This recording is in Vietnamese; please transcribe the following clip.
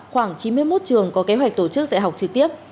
khoảng chín mươi một trường có kế hoạch tổ chức dạy học trực tiếp